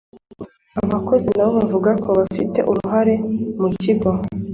Abakozi na bo bumva ko bafite uruhare mu kigo